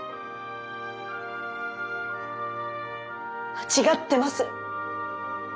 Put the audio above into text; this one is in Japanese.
間違ってます。